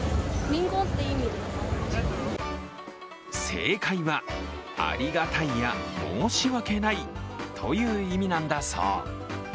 正解は、ありがたいや申し訳ないという意味なんだそう。